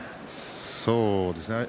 そうですね北青